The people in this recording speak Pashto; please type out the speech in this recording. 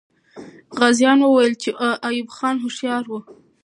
غازیان وویل چې ایوب خان هوښیار وو.